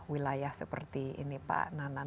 wilayah seperti ini pak nanan